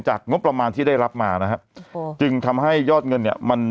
งบประมาณที่ได้รับมานะฮะจึงทำให้ยอดเงินเนี่ยมัน